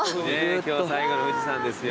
今日最後の富士山ですよ。